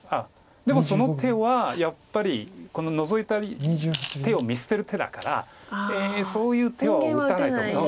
でもその手はやっぱりノゾいた手を見捨てる手だからそういう手を打たないと思う。